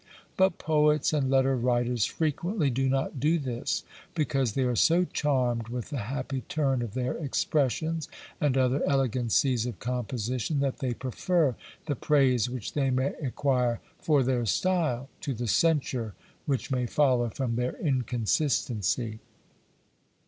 But poets and letter writers frequently do not do this; because they are so charmed with the happy turn of their expressions, and other elegancies of composition, that they perfer the praise which they may acquire for their style to the censure which may follow from their inconsistency.